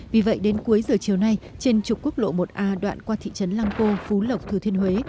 vì vậy đến cuối giờ chiều nay trên trục quốc lộ một a đoạn qua thị trấn lăng cô phú lộc thừa thiên huế